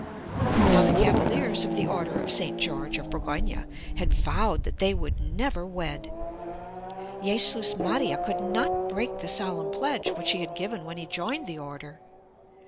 Now the cavaliers of the order of St. George of Borgonha had vowed that they would never wed. Jesus Maria could not break the solemn pledge which he had given when he joined the order.